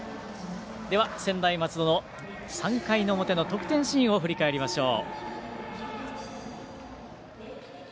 では、専大松戸の３回の表の得点シーンを振り返りましょう。